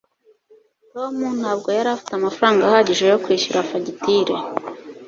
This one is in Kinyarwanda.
tom ntabwo yari afite amafaranga ahagije yo kwishyura fagitire